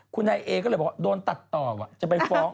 คุณนายเอก็เลยบอกว่าโดนตัดต่อจะไปฟ้อง